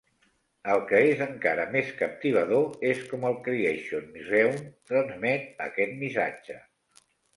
El que és encara més captivador és com el Creation Museum transmet aquest missatge.